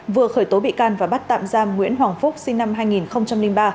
vừa khởi tố bị can và bắt tạm giam nguyễn hoàng phúc sinh năm hai nghìn ba